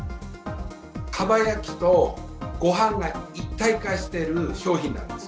かば焼きとごはんが一体化している商品なんです。